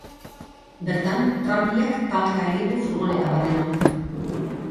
Bertan, tranbiak talka egin du furgoneta baten aurka.